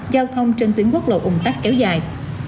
giao thông trên tuyến quốc lộ ung tắc kéo dài